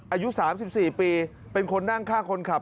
อายุ๓๔ปีเป็นคนนั่งข้างคนขับ